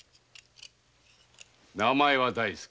名前は大助。